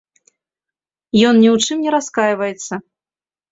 Ён ні ў чым не раскайваецца.